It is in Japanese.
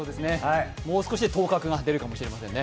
もう少しで当確が出るかもしれないですね。